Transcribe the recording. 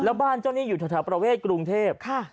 แล้วบ้านเจ้านี้อยู่ทะทะประเวทกรุงเทพฯค่ะ